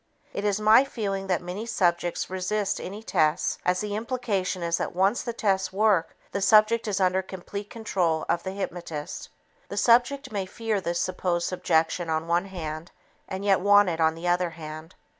It is my feeling that many subjects resist any tests as the implication is that once the tests work, the subject is under complete control of the hypnotist. The subject may fear this supposed subjection on one hand and yet want it on the other hand.